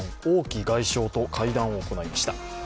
王毅外相と会談を行いました。